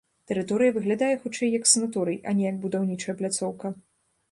Тэрыторыя выглядае, хутчэй, як санаторый, а не як будаўнічая пляцоўка.